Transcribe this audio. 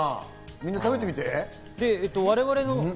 みんな食べてみて。